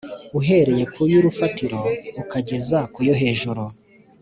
uhereye ku y’urufatiro ukageza ku yo hejuru